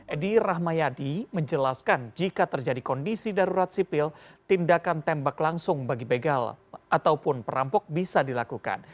edi rahmayadi menjelaskan jika terjadi kondisi darurat sipil tindakan tembak langsung bagi begal ataupun perampok bisa dilakukan